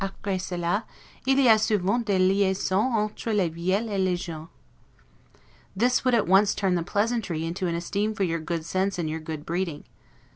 Apre cela il y a souvent des liaisons entre les vieilles et les jeunes'. This would at once turn the pleasantry into an esteem for your good sense and your good breeding.